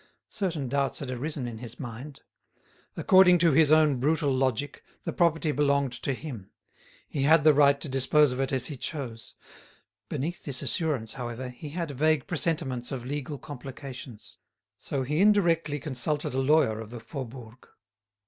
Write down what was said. Certain doubts had arisen in his mind. According to his own brutal logic, the property belonged to him; he had the right to dispose of it as he chose. Beneath this assurance, however, he had vague presentiments of legal complications. So he indirectly consulted a lawyer of the Faubourg.